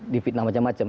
di fitnah macam macam